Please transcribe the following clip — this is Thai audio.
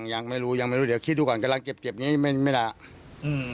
ยังไม่รู้คิดดูก่อนกำลังเก็บนี่ไม่รู้